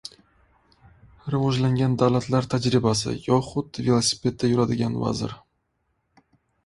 «Rivojlangan davlatlar tajribasi» yoxud velosipedda yuradigan vazir